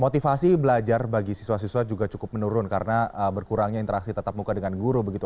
motivasi belajar bagi siswa siswa juga cukup menurun karena berkurangnya interaksi tetap muka dengan guru begitu